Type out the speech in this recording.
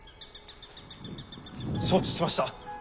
承知しました。